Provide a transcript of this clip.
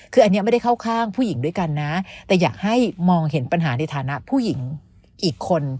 คืออันนี้ไม่ได้เข้าข้างผู้หญิงด้วยกันนะแต่อยากให้มองเห็นปัญหาในฐานะผู้หญิงอีกคน